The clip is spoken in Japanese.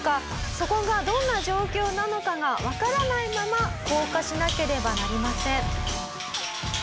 そこがどんな状況なのかがわからないまま降下しなければなりません」